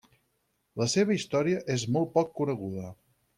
La seva història és molt poc coneguda.